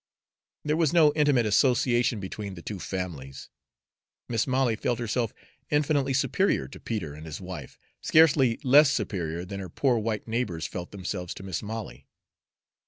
There was no intimate association between the two families. Mis' Molly felt herself infinitely superior to Peter and his wife, scarcely less superior than her poor white neighbors felt themselves to Mis' Molly.